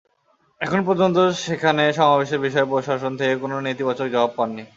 এখন পর্যন্ত সেখানে সমাবেশের বিষয়ে প্রশাসন থেকে কোনো নেতিবাচক জবাব পাননি।